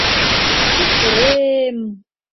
— Куш пуре-эм?